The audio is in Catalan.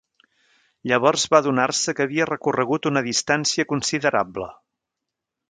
Llavors va adonar-se que havia recorregut una distància considerable.